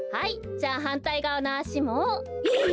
じゃはんたいがわのあしも。えっ？